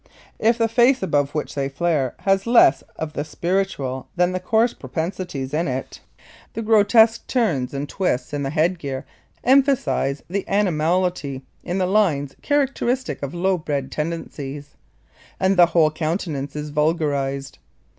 If the face above which they flare has less of the spiritual than the coarse propensities in it, the grotesque turns and twists in the head gear emphasize the animality in the lines characteristic of low bred tendencies, and the whole countenance is vulgarized.